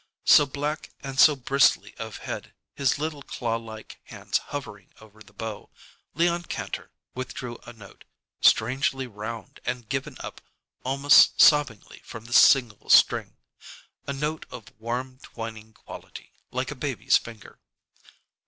So black and so bristly of head, his little clawlike hands hovering over the bow, Leon Kantor withdrew a note, strangely round and given up almost sobbingly from the single string. A note of warm twining quality, like a baby's finger.